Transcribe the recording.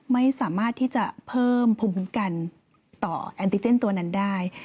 ไม่สามารถที่จะเพิ่มภูมิกันต่อแอนติเจนตัวนั้นได้